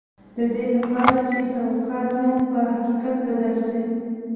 د دې لپاره چې توقعات مو په حقيقت بدل شي.